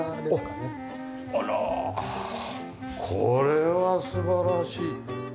あらこれは素晴らしい。